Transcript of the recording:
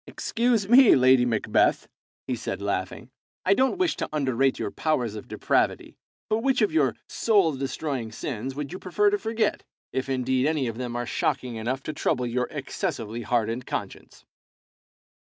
"Excuse me, Lady Macbeth," he said, laughing; "I don't wish to underrate your powers of depravity, but which of your soul destroying sins would you prefer to forget, if indeed any of them are shocking enough to trouble your excessively hardened conscience?